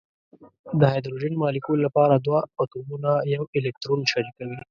د هایدروجن مالیکول لپاره دوه اتومونه یو الکترون شریکوي.